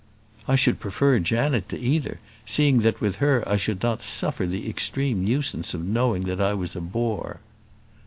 "I should prefer Janet to either, seeing that with her I should not suffer the extreme nuisance of knowing that I was a bore."